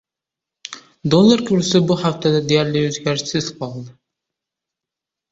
Dollar kursi bu haftada deyarli o‘zgarishsiz qoldi